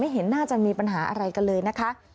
เห็นน่าจะมีปัญหาอะไรกันเลยนะคะ